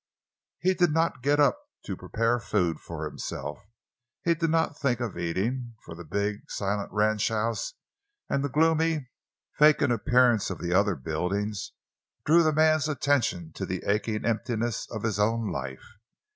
He did not get up to prepare food for himself; he did not think of eating, for the big, silent ranchhouse and the gloomy, vacant appearance of the other buildings drew the man's attention to the aching emptiness of his own life.